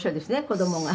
子どもが」